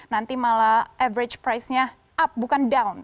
nanti malah average price nya up bukan down